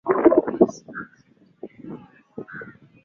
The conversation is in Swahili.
Mimi nilijaribu kila kitu lakini bado niliachwa nyuma